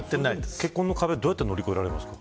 結婚の壁ってどのように乗り越えられますか。